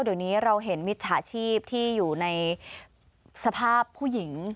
เดี๋ยวนี้เราเห็นมิจฉาชีพที่อยู่ในสภาพผู้หญิง